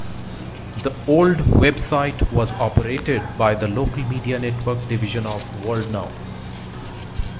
The old website was operated by the Local Media Network division of WorldNow.